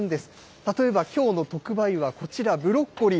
例えばきょうの特売はこちら、ブロッコリー。